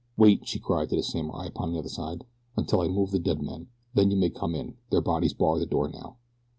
"Wait," she cried to the samurai upon the other side, "until I move the dead men, then you may come in, their bodies bar the door now."